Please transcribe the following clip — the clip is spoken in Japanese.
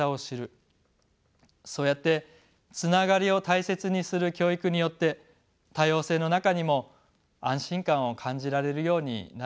そうやってつながりを大切にする教育によって多様性の中にも安心感を感じられるようになるんです。